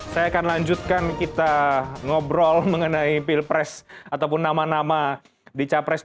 saya akan lanjutkan kita ngobrol mengenai pilpres ataupun nama nama di capres dua ribu sembilan